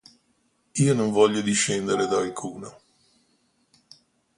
Io non voglio discendere da alcuno.